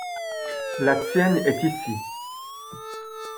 La tienne est ici.